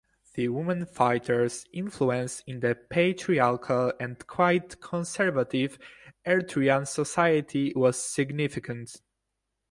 The women fighters' influence in the patriarchal and quite conservative Eritrean society was significant.